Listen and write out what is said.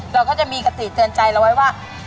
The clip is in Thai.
เราก็จะมีคติเตือนใจเราไว้ว่า